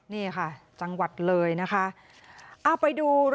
นี่ค่ะจังหวัดเลยนะคะ